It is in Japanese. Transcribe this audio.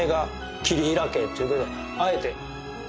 あえて。